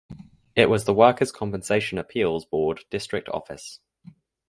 It was the Workers Compensation Appeals Board District Office.